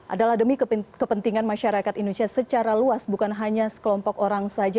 adalah demi kepentingan masyarakat indonesia secara luas bukan hanya sekelompok orang saja